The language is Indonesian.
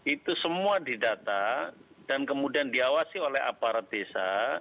itu semua didata dan kemudian diawasi oleh aparat desa